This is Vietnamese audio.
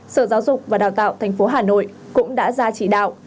sở giáo dục và đào tạo tp hà nội cũng đã ra chỉ đạo